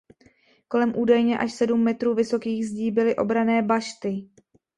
Kolem údajně až sedm metrů vysokých zdí byly obranné bašty.